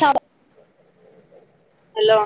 సరే hello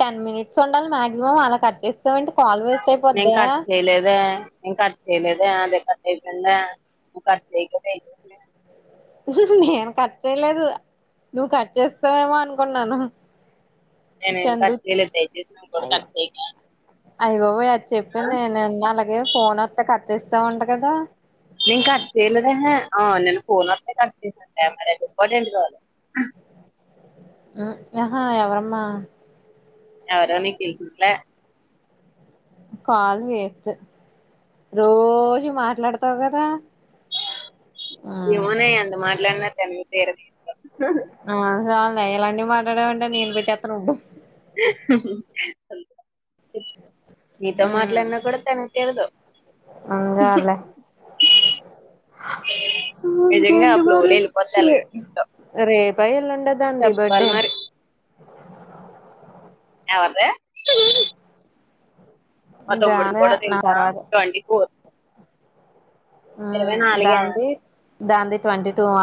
ten minutes ఉండాలి maximum అలా కట్ చేస్తావు ఏంటి కాల్ వే, నేం కట్ చేయలేదే, నేను కట్ చేయలేదు అదే కట్ అయిపోయిందే నువ్వు కట్ చేయకాపోతే, నేను కట్ చేయలేదు నువ్వు కట్ చేసేవేమో అనుకున్నాను, నేనేం చందు కట్ చేయలేదు దయచేసి నువ్వు కూడా అయ్య కట్ చేయకే అయ్య బాబోయ్ అది చెప్పింది నేను ఉన్నా అలాగే, ఫోన్ వత్తే కట్ చేసేవంట కదా, నేను కట్ చేయలేదే ఎహే ఆ నేను ఫోన్ వస్తతే కట్ చేసాను లే మరి అది ఇంపార్టెంట్ కాల్, హు ఆహా ఎవరమ్మా, ఎవరో నీకు తెలిసి ఉంటేలే, కాల్ వేస్ట్ రోజు మాట్లాడతావు కదా, ఆ ఏమోనే అంత మాట్లాడిన, తన్వి తీరదు, అ సాలు, ఎలాంటి వి మా మాట్లాడావంటే నేను పెట్టేస్తాను బు, నీతో మాట్లాడిన కూడా తన్వితిరాదు చాల్లే ఆ ఇంకేంటి ఫ్లో లో మరి వెళ్ళిపోద్ది రే అలాగే రేపు, పయలండి, దంది చెప్పాలి బాడే మరి ఎవరిది మా తమ్ముడూది దానే కూడా నా ఇంకా తర్వాత ట్వంటీ ఫోర్, ఇరవై మ్మ్ నాలుగ, దాంది దాంది ట్వంటీ టూవ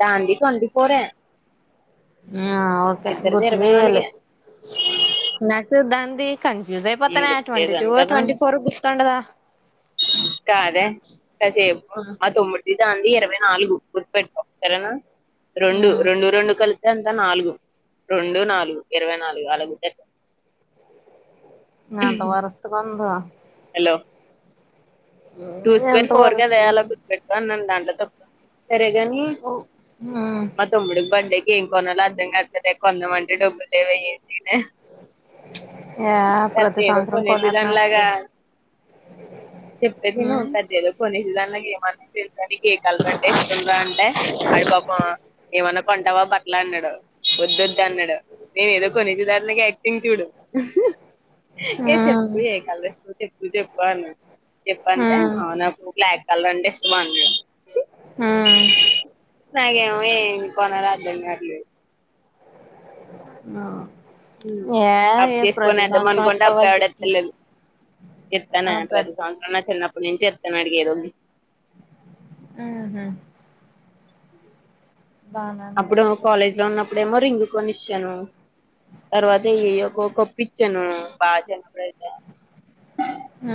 దంది ట్వంటీ ఫోర్ ఆ ఓకే గురుతూ ఇరవై చేయాలి నాలుగే నాకు దా, నేను గుర్తు చేసాను కదా ట్వంటీ ఫోర్ గుర్తుండదా కాదే కాసేపు మా తమ్ముడుది, దానిది ఇరవై నాలుగు గుర్తుపెట్టుకో సరేనా, రెండు మ్మ్ రెండు రెండు కలిపి ఎంతా నాలుగు రెండు నాలుగు ఇరవై నాలుగు అలా గుర్తు ఎట్టుకో, నాఅంత వరస్ట్ గుందో, హలో టూ స్క్వేర్ ఎంత ఫోర్ కదే వరస్ట్గా అలా ఉంది గుర్తు పెట్టుకో అన్నాను దాన్ని, సరే కానీ మ్మ్ మా తమ్ముడి బాడే ఏం, కొనాలా అర్థం కాట్లేదే కొందాం అంటే డబ్బుల్లేవే ఏం యా [unintelligible] ప్రతి పెద్దేదో సంవత్సరం కొనేసే కొనేత్తున్నాం ఏంటి దాన్లాగా తిను మ్మ్ పెద్దేదో కొనేసి [unintelligible] వాడికి ఈ కలర్ అంటే ఇష్టంరా అంటే ఆడు పాపం ఏమన్నా కొంటావా బట్లు అన్నాడు వద్దొద్దు అన్నాడు నేను ఏదో కొనేసేదానిలాగా తిన్ చూడు అహా ఏ మ్మ్ చెప్పు ఏ కాలేజో చెప్పు చెప్పు బన్ చెప్పంటె నాకు క్లారిటీ వాళ్ళంటే ఇష్టమా అండి మ్మ్ నాకేమో ఏం కొనరాదు బెంగారులే ఆ ఉమ్ అప్పు చేసుకొని సంవత్సరం ఏల్దామనుకుంటే ఇత్తావా అప్పుడు ఎవడ్ గిఫ్ట్లు ఇస్తలేదు ఇస్తాను ప్రతి సంవత్సరం నా చిన్న నేను చెప్తాను అడిగి ఏదోకటి ఆ హా ఉంది అప్పుడు కాలేజ్లో ఉన్నప్పుడు ఇప్పుడేమో రింగు కొని ఇచ్చాను తర్వాత ఏయో ఒకో కప్పు ఇచ్చాను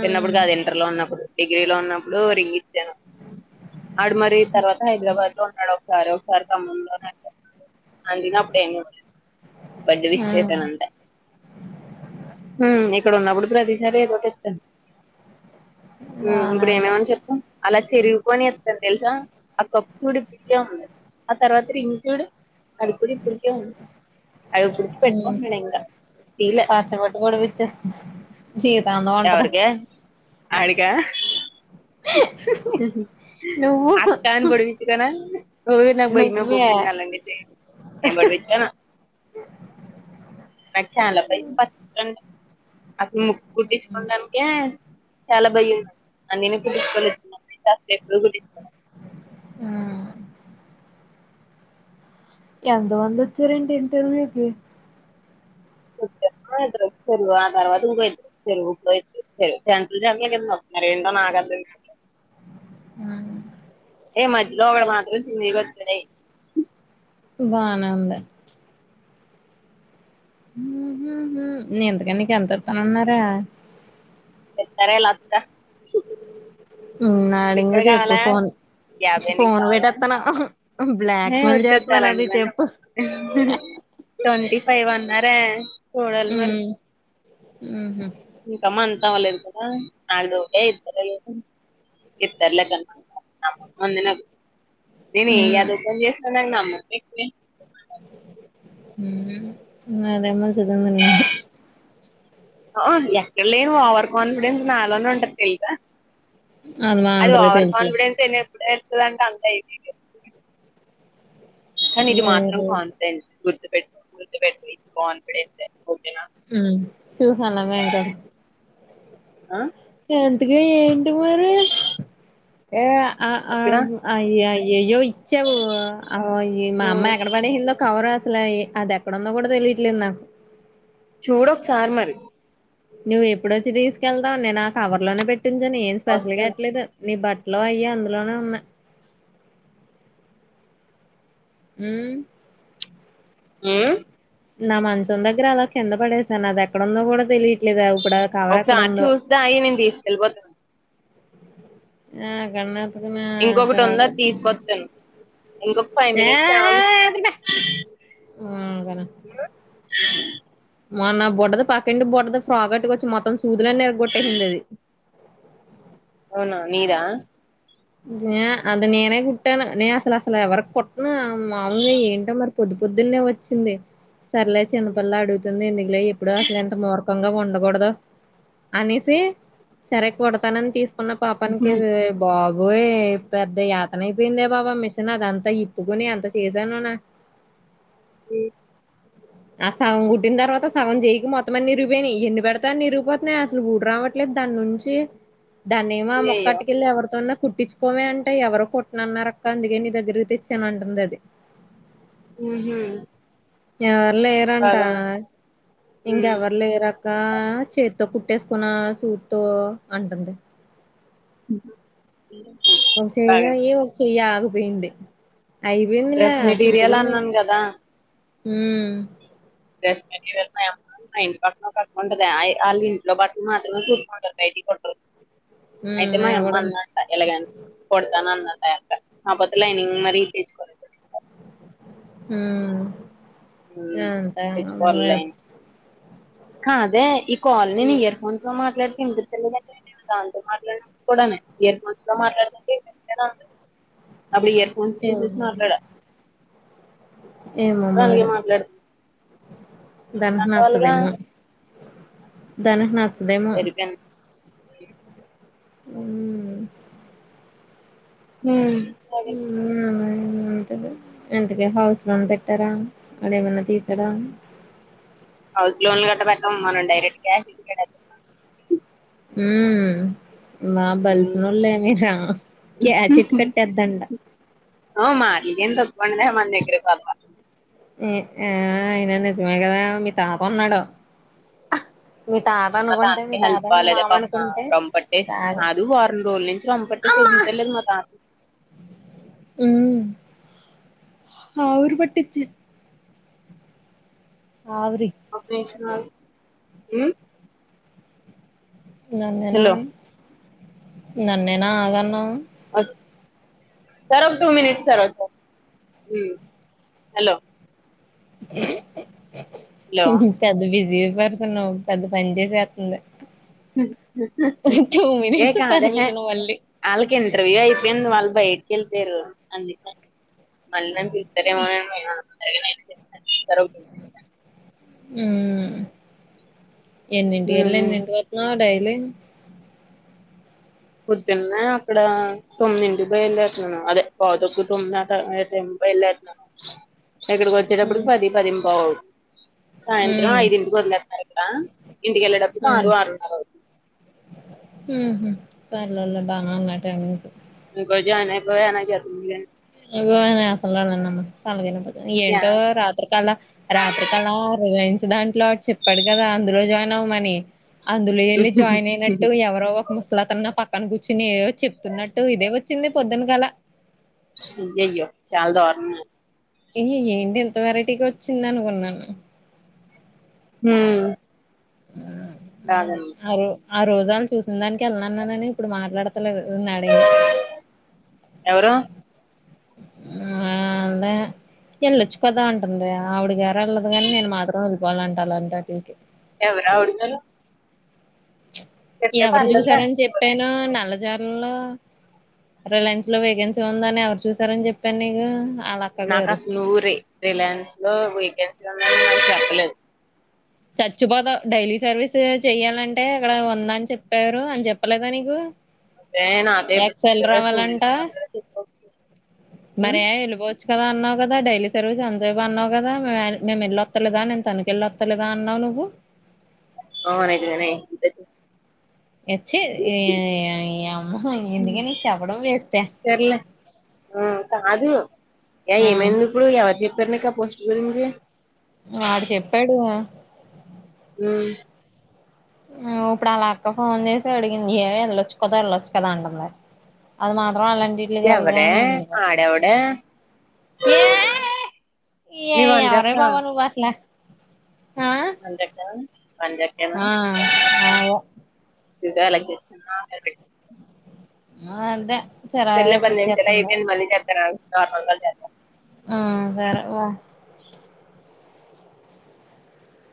చిన్నప్పుడు కాదు ఇంటర్లో ఉన్నప్పుడు డిగ్రీలో ఉన్నప్పుడు రింగ్ ఇచ్చాను ఆడు మరీ తర్వాత హైదరాబాద్ లో ఉన్నాడు సరే ఒకసారి అడిగినప్పుడు ఏం ఇవ్వలేదు బర్త్డే విష్ ఉమ్ చేసాను అంతే ఉ ఇక్కడ ఉన్నప్పుడు ప్రతీ సారి ఏదోకటిత్తాను మ్ బానే ఇప్పుడు ఉంది ఏమేమని చెప్పు అలా చెరుగిపోయిని ఇత్తాడు తెలుసా ఆ కప్పు చూడు ఇప్పుడికీఉంది ఆ తర్వాత రింగ్ చూడు అది కూడా ఇప్పుడుకే ఉంది అది ఇప్పటికి పెట్టుకుంటున్నాడు ఇంకా తీలే పాచపట్కోడు విచ్చేస్తుంది జీతం ఎవరికి ఆడికా నువ్వు అత్తా అని పొడిపిచ్చు కోన ఓయ్ నాకు భయమే బాబు నువ్వే నేన్ అలాంటివి చేయను ఎంబడ పెట్టుకోను నాకు చాలా భయం పట్టుకుంది అదీ కుట్టించుకోనడానికే చాలా భయం నాకు అని కట్టించుకోలేదు నా బిడ్డ అసల్ ఎప్పుడ కుట్టికో మ్మ్ ఎంత మంది వచ్చారు [unintelligible] ఇద్దరొచ్చారు ఆ తర్వాత ఇంకో ఇద్దరొచ్చారు. ముప్పైటికీ వచ్చారు [inaudible] నాకదేందో అర్థం కాలే ఉమ్ ఏ మధ్యలో ఒకడు మాత్రం సింగిల్గా వచ్చా బానే ఉంది ఇంతకీ నీకు ఎంత ఇత్తానన్నారే సరేలాత్త మ్మ్ నాడింగా చెప్పు ఫోన్ యాభై నీకు ఫోన్ కావాలా పెట్టేత్తను ఏ బ్లాక్మెెయిల్ వద్దొద్దు చేత్తన్నాను అలాంటి అది పని చెప్పు చూడలీ మరి హ్మ్మ్ హ్మ్మ్ ఇంక మంత్ అవ్వలేదు కదా నాకు డౌటే ఇ ఇర్లేక [unintelligible] ఉమ్ నేనెదవ పని చేసి చనంగా నమ్ మ్మ్ అదేమ [unintelligible] ఆ ఎక్కడ లేని ఓవర్ కాన్ఫిడెన్స్ నాలోనే ఉంటది తెల్సా అది మా ఆంధరికి తెలుసులే ఇలాంటా అంతా ఈజీ లే కానీ ఇది వేరే మాత్రం కాన్ఫిడెన్స్ గుడ్ గుర్తు పెట్ గుర్తుపెట్టుకో కాన్ఫిడెన్సె మ్మ్ చూసంలే మెంకూడ అ అంతగా ఏంటి మరీ ఆ ఆ ఇక్కడ ఉఅయిఆయి ఏయ్యో ఈ చెవు ఆ ఇ మా ఉమ్, అమ్మయి ఎక్కడ పడేసిందో కవర్ అసలఈ అది ఎక్కడందో కూడా తెలియట్లేదు నాకు చూడొకసారి మరి నువ్వు ఎప్పుడొచ్చి తీసుకెళ్త తావ్ నేను నా కవర్ లోనే పెట్టించాను ఏం స్పెషల్ గా వస్తాను ఎట్లేదు నీ బట్ లో అయ్యో అందులోనే ఉన్నాయ్ మ్మ్ మ్మ్ నా మంచం దగ్గర అలా కింద పడేసాను అది ఎక్కడందో కూడా తెలియట్లేదు అవు ఒకసారి చూస్తా అయి నేను తీసుకెళ్ళిపోత ఆ కన్న ఇంకొకటి ఉందది తీసుకొత్తను ఇంకొక ఫైవ్ మినిట్స్ అగు ఊ గన ఊ మొన్న బుడ్డది పక్కింటి బుడ్డది ఫ్రాక్ అట్టు కొచ్చి మొత్తం సూదులన్ని ఇరగ్గొట్టేసింది అది అవునా మీరా జయా అది నేనే కుట్టాను నే అసలు అసలు ఎవరికి కుట్టను మామూలుగా ఏంటో మరి పొద్దు పొద్దున్నే వచ్చింది. సర్లే చిన్న పిల్ల అడుగుతుంది ఎందుకులే ఇప్పుడు అసలు ఎంత ముర్ సుఖంగా ఉండకూడదు అనేసి సరే కుడతానని తీస్ ఉన్న పాపానికి ఇది బా పోయే పెద్ద యాతన అయిపోయిందే బాబా మిషన్ అదంతా ఇప్పుకుని ఎంత చేసానో నా ఈ ఆ సగం కుట్టిన తర్వాత సగం చేయికి మొత్తం అన్నీ ఇరిగిపోయినియి ఎన్ని పెడితే అన్ని ఇరిగిపోతున్నాయి అసలు ఊడి రావట్లేదు దాని నుంచి దాన్నేమో ఆ ముక్క అయ్యయ్యో అట్టికెళ్ళి ఎవరితోన్నా కుట్టించుకోమే అంటే ఎవరూ కుట్టనన్నారుఅక్క అందుకే నీ దగ్గరకి తెచ్చానంటుందది. ఊహు ఎవ లేరంట ఉమ్ ఇంకెవరు లేరా ఇంకా చేతితో కుట్టేసుకోనా సూత్తో అంటంది ఇంకా ఒసేయ్ అయ్యో [unintelligible] ఆగు వీంది డ్రెస్ మెటీరియల్ అన్నాన్ కదా హ్మ్ డ్రెస్ మెటీరియల్ మా యమ్మ మా ఇంటి పక్కన ఒక అక్క ఉంటదే ఆ అల్లింట్లో బట్టలు మాత్రమే కుట్టుకుంటది బయటియి కుట్టరు. ఉమ్ అయితే నేను మాయమ్మ కూడా అంతే అందంట ఇలాగని కుడతాను అన్నదంట ఆ యక్క కాపోతే లైనింగ్ మరి తీస్ మ్మ్ ఉమ్ ఏంతయిన మ్యాప్ హ అదే కాల్ నేను ఇయర్ ఫోన్స్ లొ మాట్లాడ హిందు దాంతో మాట్లాడ కూడార్మస్ లో మాట్లాడ [unintelligible] అప్పుడు ఇయర్ ఫోన్స్ తీసేసి ఏమో మాట్లాడ ఏమో మరి దానికి దానివల్లగా నచ్చదేమో దానికి నచ్చదేమో సరిపోయింది ఉమ్ హమ్ అది అమ్ ఇంతకి హౌస్ లోన్ పెట్టారా వాడ ఏమన్నా తీశాడా హౌస్ లోన్ గట్ట పెట్టాం మనం డైరెక్ట్ క్యాష్ హుమ్ మా బల్సినోళ్ళే మీ రా క్యాష్ ఎట్టి కట్టేద్దండ అ మా ఇకేం తప్పందే మన దగ్గర తప్ప ఉమ్ ఆ అయిన నిజమే కదా మీ తాత ఉన్నాడు ఆ మా తాతాకి హెల్త్ బాలేదే పాపం అనుకుంటే రంపట్టేసి కాదు వారం రోజుల నుంచి రంపట్టేసి అమ్మా వదతలేదు మా తాత మ్మ్ ఆవిరి పట్టించు ఆవిరి ఇస్త నాగు ఉమ్ ననేనా నన్నే నా ఆగాన్నావు అస్ సర్ ఒక టూ మినిట్స్ సర్ వాచేస్తా హలో హలో పెద్ద బిజి జీవపడుతున్నా పెద్ద పని చేసేస్తుంది టూ ఏ మినిట్స్ కాదేహే పర్మిషన్ మళ్ళీ వాళ్ళకి ఇంటర్వ్యూ అయిపోయింది వాళ్ళ బయటికి వెళ్లిపోయారు అందుకే మళ్ళీ సరే మమ్మయ్య ఫైవ్ నైనంటి ఉమ్ ఎన్నింటి ఎల్ల ఉమ్ ఎన్నిటికి వత్నావ్ డైలి లే పొద్దున్నే అక్కడ తొమ్మిదింటికి బయల దేరుతున్నాను అదే పావు తక్కువ తొమ్మిదిమి అ టైమ్ లో బయలు దేరుతానాను ఇక్కడికి హ్మ్ వచ్చేటప్పుడుకి పది పదింపావు అవుత సాయంత్రం ఐదుంటికి వదిలే ఇక్కడ ఇంటికెళ్ళేటప్పుడు ఆరు ఆరున్నర అవుతుంది హ్మ్ హు పర్లేదు లే బానే ఉన్నాయి టైమింగ్స్ తు కో జా నై కో [unintelligible] ఇగో ఆయన అసలు రాడులే అన్న తాలద యా ఏంటో రాత్రికళ రాత్రికళ రిలయన్స్ దాంట్లో అడు చెప్పాడు కదా అందులో జాయిన్ అవ్వమని అందులో వెళ్ళి జాయిన్ అయినట్టు ఎవరో ఒక ముసలతను నా పక్క క్కను కూర్చుని ఏవో చెప్తున్నట్టు ఇదే వచ్చింది పొద్దున గల అయ్యాయో చాల దొరణం ఏ ఏంటి ఎంత వెరైటీగా వచ్చింది అనుకున్నాను మ్మ్ అదే అరు ఆ రోజాలు చూసిన దానికి వెళ్ళన్నాన్ననని ఇప్పుడు మాట్లాడత తలేదు నడింగా ఎవరు ఆ అదే ఎళ్ళొచ్చుకదా ఉంటుంది ఆవిడి గార్ ఎల్లదు గాని నేను మాట తో [unintelligible] ఇవాలంటాలంటా టీ కి ఎవరా అవుడగారు ఎవరు చూసారని చెప్పాను నల్ల జార్ లో రిలయన్స్ లో వేకెన్సీ ఉందని ఎవరు చూసారని చెప్పాను నీకు వాళ్ళ అక్క నాకు గారు అసలు రే రిలయన్స్ లో వెకెన్ చెప్పలే చచ్చిపోతా డైలీ సర్వీస్ చెయ్యాలంటే అక్కడ ఉందా అని చెప్పారు అని చెప్పలేదా నీకు అదే నాతో ఇప్పుడు ఎక్సెల్ చెప్పవే ఫోన్ రావాలంట మరే వెళ్ళిపోచ్చ కదా అన్నావు కదా డైలీ సర్వీ అజే అన్నావు కదా మే వెళ్ళొ వస్తలేదా నేను తనకిళ్లిస్తాలేదు అన్నావు నువ్కువు అన నిజమే నీ వచ్చి అమ్మ ఎందుక నీ చెప్పడం వేస్తే కా ది యా ఏమైంది ఇప్పుడు ఎవ చెప్ప చెప్పారు నీకు ఆ పోస్ట్ గురించి ఆడు చెప్పాడు ఊ ఇప్పుడు అలా అక్క ఫోన్ చేసి అడిగింది ఏ వెళ్ళొచ్చు కదా వెళ్ళొచ్చు కదా అంటుంది అది మాకు అం అలాంటింటికి వెళ్దు కాని ఎవడే మేము వెళ్ళిపోతాం ఆడెవడే ఏ ఏ మీ ఎవరే బావ నువ్వు అసలా అంటక ఆ ఆవు ఇలకి ఆ అంతే తెల్ల బందే తెల్లగా చెత్త నెన్ మళ్ళీ చేత్తను ఆగు చ మంగల్ జాత్ర ఆ సరే వా